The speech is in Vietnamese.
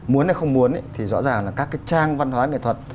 muốn hay không muốn thì rõ ràng là các cái trang văn hóa nghệ thuật